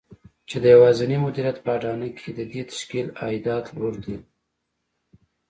چې د يوازېني مديريت په اډانه کې د دې تشکيل عايدات لوړ دي.